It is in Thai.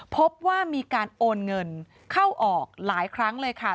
พบว่ามีการโอนเงินเข้าออกหลายครั้งเลยค่ะ